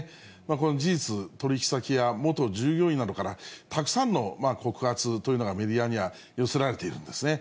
この事実、取り引き先や元従業員などから、たくさんの告発というのがメディアには寄せられているんですね。